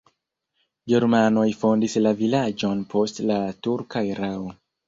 Germanoj fondis la vilaĝon post la turka erao.